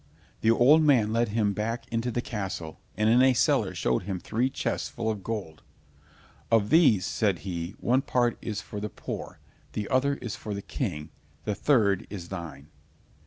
The old man led him back into the castle, and in a cellar showed him three chests full of gold. "Of these," said he, "one part is for the poor, the other is for the king, the third is thine."